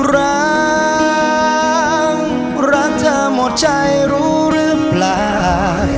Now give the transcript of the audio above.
รักรักเธอหมดใจรู้หรือเปล่า